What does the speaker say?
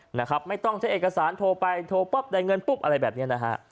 นะครับไม่ต้องใช้เอกสารโทรไปโทรป๊อบได้เงินปุ๊บอะไรแบบเนี้ยนะฮะ